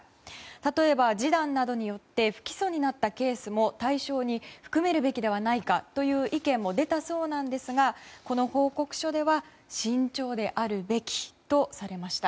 例えば、示談などによって不起訴になったケースも対象に含めるべきではないかという意見も出たそうですがこの報告書では慎重であるべきとされました。